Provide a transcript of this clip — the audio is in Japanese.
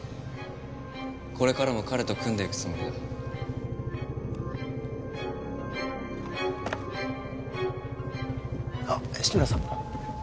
これからも彼と組んでいくつもりだあっ志村さん